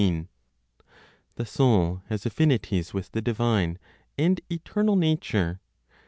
The soul has affinities with the divine and eternal nature.